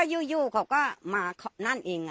ก็อยู่เขาก็มานั่นเองอะค่ะ